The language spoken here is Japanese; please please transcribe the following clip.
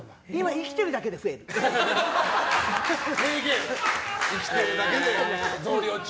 生きてるだけで増量中。